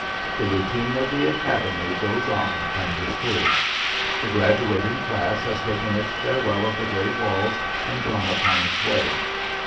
The routine of the Academy goes on undisturbed. The graduating class has taken its farewell of the gray walls and gone upon its way.